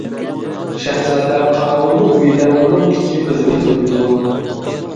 شاھزادە قاراۋۇلنىڭ ئۆيىدە ئۇنىڭ ئىككى قىزىنى كۆرۈپتۇ.